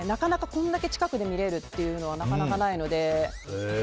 これだけ近くで見れるっていうのはなかなかないので。